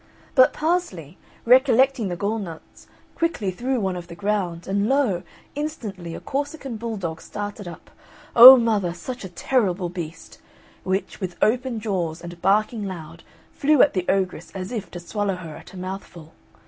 But Parsley, recollecting the gall nuts, quickly threw one of the ground, and lo, instantly a Corsican bulldog started up O, mother, such a terrible beast! which, with open jaws and barking loud, flew at the ogress as if to swallow her at a mouthful.